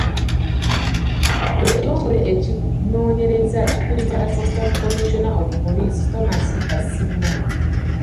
Ekitongole ekinonyereza kikulirwa Assistant Commissioner of Police Thomas Kasiimo.